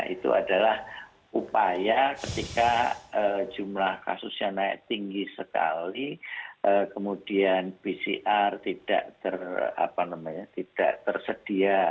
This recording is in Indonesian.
itu adalah upaya ketika jumlah kasusnya naik tinggi sekali kemudian pcr tidak tersedia